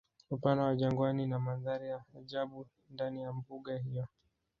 Upana wa jangwani na Mandhari ya ajabu ndani ya mbuga hiyo